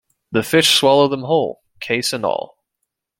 The fish swallow them whole, case and all.